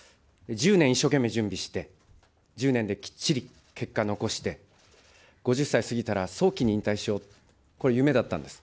１０年一生懸命準備して、１０年できっちり結果を残して、５０歳過ぎたら早期に引退しよう、これ、夢だったんです。